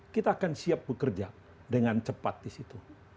kita akan siap bekerja dengan cepat di situ